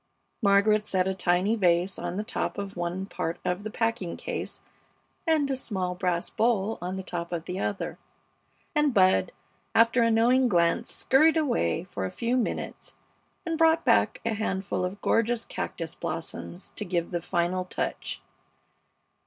Margaret set a tiny vase on the top of one part of the packing case and a small brass bowl on the top of the other, and Bud, after a knowing glance, scurried away for a few minutes and brought back a handful of gorgeous cactus blossoms to give the final touch.